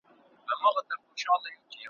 ته به ولي پر سره اور بریانېدلای `